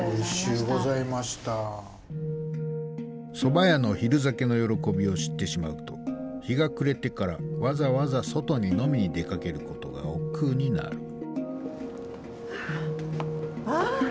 蕎麦屋の昼酒の喜びを知ってしまうと日が暮れてからわざわざ外に飲みに出かけることがおっくうになるはあ！